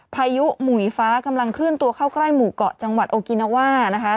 พายุหมุยฟ้ากำลังเคลื่อนตัวเข้าใกล้หมู่เกาะจังหวัดโอกินาว่านะคะ